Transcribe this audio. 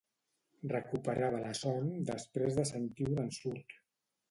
Recuperava la son després de sentir un ensurt?